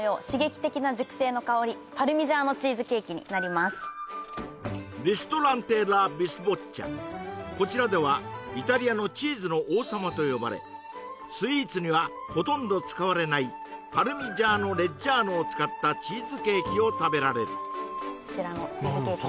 まず１つ目がこちらではイタリアのチーズの王様と呼ばれスイーツにはほとんど使われないパルミジャーノ・レッジャーノを使ったチーズケーキを食べられるこちらのチーズになります